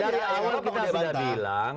dari awal kita sudah bilang